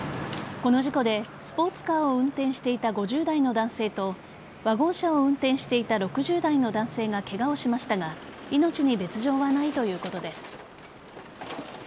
この事故でスポーツカーを運転していた５０代の男性とワゴン車を運転していた６０代の男性がケガをしましたが命に別条はないということです。